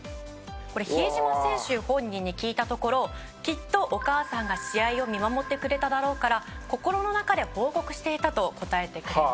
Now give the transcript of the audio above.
「これ比江島選手本人に聞いたところ“きっとお母さんが試合を見守ってくれただろうから心の中で報告していた”と答えてくれました」